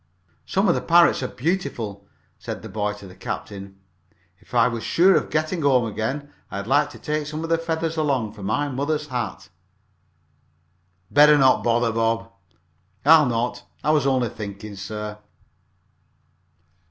"Some of the parrots are beautiful," said the boy to the captain. "If I was sure of getting home again I'd like to take some of the feathers along, for my mother's hat." "Better not bother, Bob." "I'll not. I was only thinking, sir."